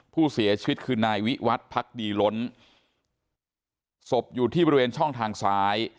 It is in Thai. ผู้เสียชีวิตคือนายวิวัตรพักดีล้นศพอยู่ที่บริเวณช่องทางซ้าย